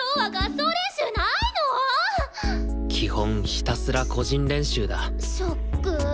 ひたすら個人練習だショック！